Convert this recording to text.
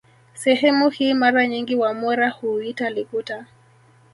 Sehemu hii mara nyingi wamwera huiita Likuta